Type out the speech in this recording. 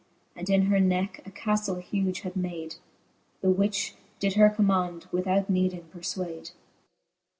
And in her necke a caftle huge had made. The which did her command, without needing perfwade.